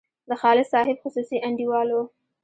د خالص صاحب خصوصي انډیوال وو.